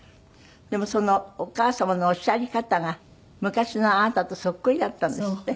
でもそのお母様のおっしゃり方が昔のあなたとそっくりだったんですって？